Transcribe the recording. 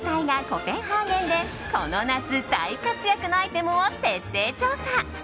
コペンハーゲンでこの夏、大活躍のアイテムを徹底調査。